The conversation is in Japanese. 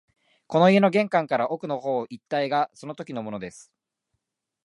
この家の玄関から奥の方一帯がそのときのものです